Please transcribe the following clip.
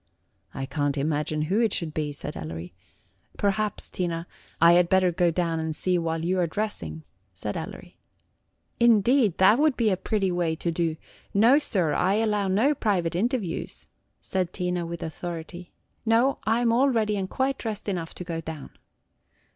"I can't imagine who it should be," said Ellery. "Perhaps, Tina, I had better go down and see while you are dressing," said Ellery. "Indeed, that would be a pretty way to do! No, sir, I allow no private interviews," said Tina, with authority, – "no, I am all ready and quite dressed enough to go down.